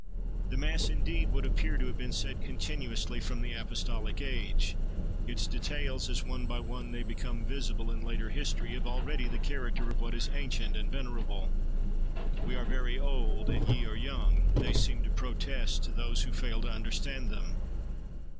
The Mass, indeed, would appear to have been said continuously from the Apostolic age. Its details, as one by one they become visible in later history, have already the character of what is ancient and venerable. "We are very old, and ye are young!" they seem to protest, to those who fail to understand them.